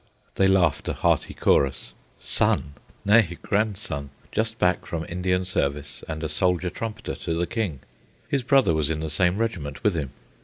They laughed a hearty chorus. Son! Nay, grandson, just back from Indian service and a soldier trumpeter to the King. His brother was in the same regiment with him.